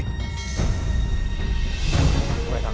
guys aku kenal pak